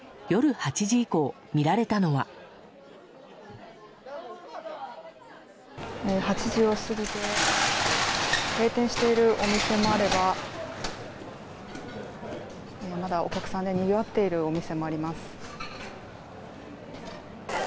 ８時を過ぎて閉店しているお店もあればまだ、お客さんでにぎわっているお店もあります。